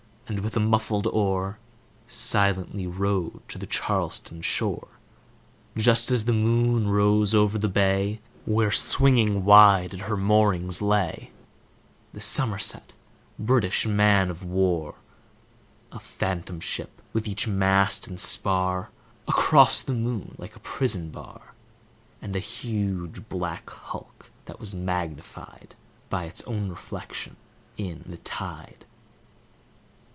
and with muffled oar Silently rowed to the Charlestown shore, Just as the moon rose over the bay, Where swinging wide at her moorings lay The Somerset, British man of war; A phantom ship, with each mast and spar Across the moon like a prison bar, And a huge black hulk, that was magnified By its own reflection in the tide.